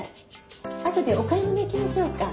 後でお買い物行きましょうか。